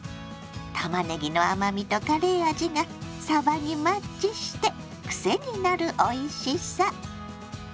たまねぎの甘みとカレー味がさばにマッチしてクセになるおいしさ！